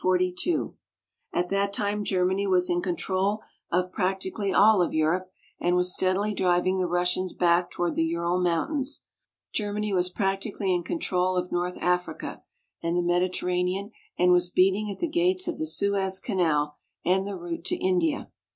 At that time Germany was in control of practically all of Europe, and was steadily driving the Russians back toward the Ural Mountains. Germany was practically in control of North Africa and the Mediterranean, and was beating at the gates of the Suez Canal and the route to India.